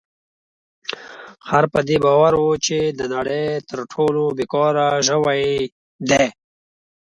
خر په دې باور و چې د نړۍ تر ټولو بې کاره ژوی دی.